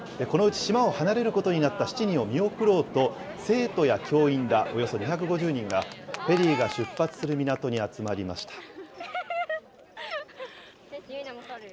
このうち島を離れることになった７人を見送ろうと、生徒や教員らおよそ２５０人が、フェリーが出発する港に集まりました。